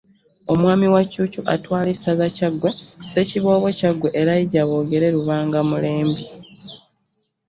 Omwami wa Ccuucu atwala essaza Kyaggwe Ssekiboobo Kyaggwe Elijah Bogere Lubanga Mulembye